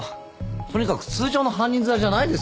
とにかく通常の犯人面じゃないですよこれ。